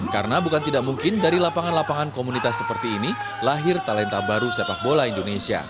karena bukan tidak mungkin dari lapangan lapangan komunitas seperti ini lahir talenta baru sepak bola indonesia